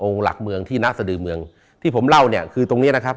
หลักเมืองที่นักสดือเมืองที่ผมเล่าเนี่ยคือตรงเนี้ยนะครับ